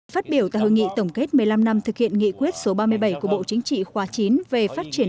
phát biểu tại hội nghị tổng kết một mươi năm năm thực hiện nghị quyết số ba mươi bảy của bộ chính trị khóa chín về phát triển